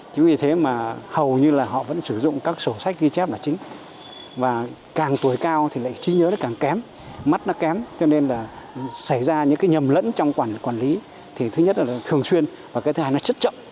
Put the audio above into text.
chứ vì thế mà hầu như là họ vẫn sử dụng các sổ sách ghi chép là chính và càng tuổi cao thì lại trí nhớ nó càng kém mắt nó kém cho nên là xảy ra những cái nhầm lẫn trong quản quản lý thì thứ nhất là thường xuyên và cái thứ hai nó rất chậm